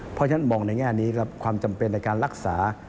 เพราะฉะนั้นมองในแง่นี้ครับความจำเป็นในการรักษา